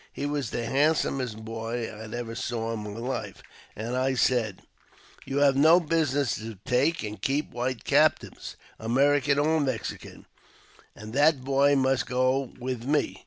He was the handsomest boy I ever saw in my Hfe. And I said — *"You have no business to take and keep white captives, American or Mexican ; and that boy must go with me."